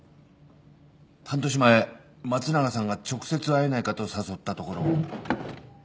半年前松永さんが直接会えないかと誘ったところ。